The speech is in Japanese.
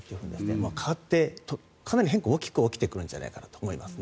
変わって、かなり変化は大きく起きてくるんじゃないかと思いますね。